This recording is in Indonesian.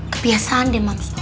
kebiasaan deh mams